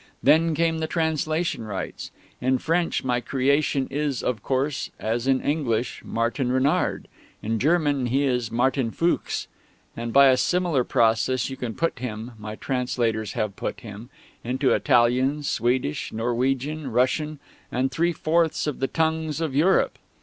Then came the translation rights. In French, my creation is, of course, as in English, Martin Renard; in German he is Martin Fuchs; and by a similar process you can put him my translators have put him into Italian, Swedish, Norwegian, Russian, and three fourths of the tongues of Europe.